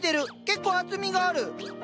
結構厚みがある。